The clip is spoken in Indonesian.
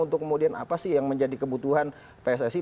untuk kemudian apa sih yang menjadi kebutuhan pssi